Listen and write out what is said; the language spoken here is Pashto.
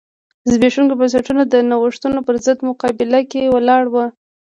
زبېښونکي بنسټونه د نوښتونو پرضد مقابله کې ولاړ و.